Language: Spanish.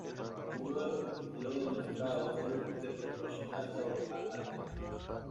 Uno de los objetivos del marcado es el de proporcionar sabor al alimento.